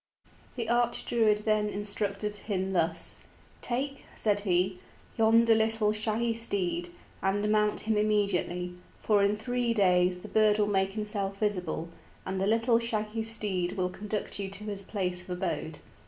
The Arch Druid then instructed him thus: "Take," said he, "yonder little shaggy steed, and mount him immediately, for in three days the bird will make himself visible, and the little shaggy steed will conduct you to his place of abode.